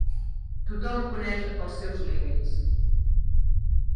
Tothom coneix els seus límits.